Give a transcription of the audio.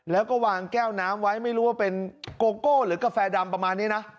แล้วก็วางแก้วน้ำไว้ไม่รู้ว่าเป็นโกโก้หรือกาแฟดำประมาณนี้นะ